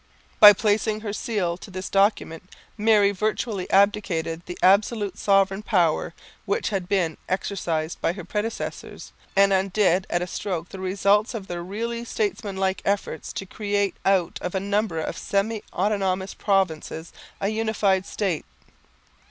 By placing her seal to this document Mary virtually abdicated the absolute sovereign power which had been exercised by her predecessors, and undid at a stroke the results of their really statesmanlike efforts to create out of a number of semi autonomous provinces a unified State.